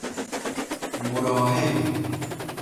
مراحم